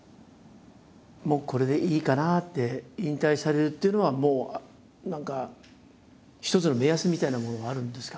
もうこれでいいかなって引退されるっていうのはもう何か一つの目安みたいなものはあるんですか？